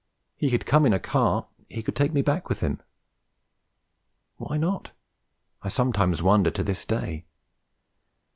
He had come in a car; he could take me back with him. Why not, I sometimes wonder to this day!